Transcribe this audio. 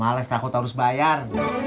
males takut harus bayar